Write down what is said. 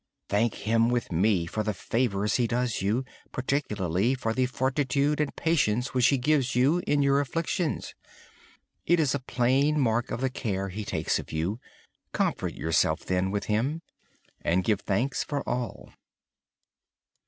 Thank Him with me for the favors He does you, particularly for the fortitude and patience which He gives you in your afflictions. It is a plain mark of the care He takes of you. Comfort yourself with Him, and give thanks for all.